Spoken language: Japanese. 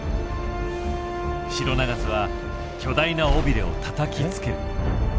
シロナガスは巨大な尾びれをたたきつける。